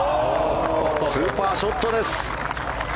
スーパーショットです。